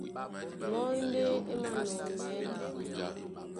Mɔ́ ndé é mānɔŋgɛɛ́ ɗá.